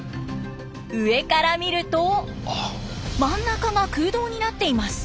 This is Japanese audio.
上から見ると真ん中が空洞になっています。